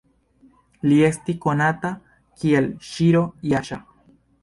Li esti konata kiel Ŝiro-Jaŝa.